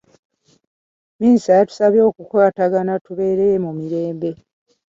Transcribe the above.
Minisita yatusabye okukwatagana tubeere mu mirembe.